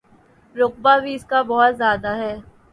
رقبہ بھی اس کا بہت زیادہ ہے۔